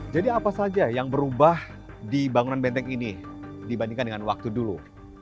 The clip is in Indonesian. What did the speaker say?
jadi apa saja yang berubah di bangunan benteng ini dibandingkan dengan waktu dulu